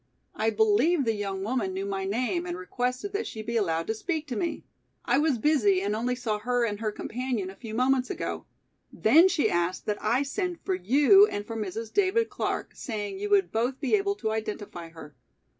I believe the young woman knew my name and requested that she be allowed to speak to me. I was busy and only saw her and her companion a few moments ago. Then she asked that I send for you and for Mrs. David Clark, saying you would both be able to identify her.